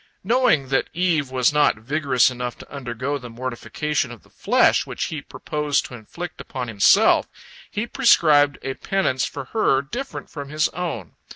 Knowing that Eve was not vigorous enough to undergo the mortification of the flesh which he purposed to inflict upon himself, he prescribed a penance for her different from his own.